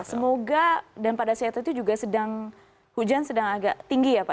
semoga dan pada saat itu juga sedang hujan sedang agak tinggi ya pak